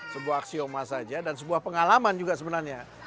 sebuah aksioma saja dan sebuah pengalaman juga sebenarnya